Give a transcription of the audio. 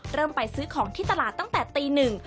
ไปซื้อของที่ตลาดตั้งแต่ตีหนึ่ง